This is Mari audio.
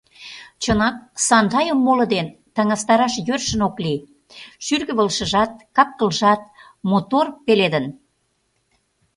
Чынак, Сандайым моло дене таҥастараш йӧршын ок лий: шӱргывылышыжат, кап-кылжат — мотор пеледын!